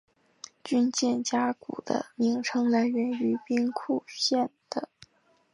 军舰加古的名称来源于兵库县的。